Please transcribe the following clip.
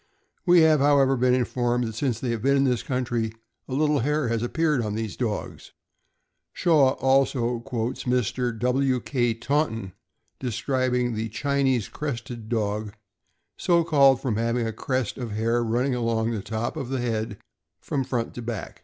We have, however, been informed that since they have been in this country a little hair has appeared upon these dogs. (647) 648 THE AMERICAN BOOK OF THE BOG. Shaw also quotes Mr. W. K. Taunton, describing the Chinese Crested Dog, so called from having a crest of hair running along the top of the head from front to back.